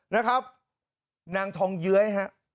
นะครับนางทองเย้ยฮะ